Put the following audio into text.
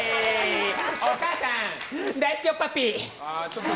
お母さん大好きオッパッピー！